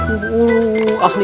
ahli yang ahli